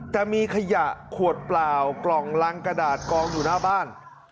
แต่มีขยะขวดเปล่ากล่องรังกระดาษกองอยู่หน้าบ้าน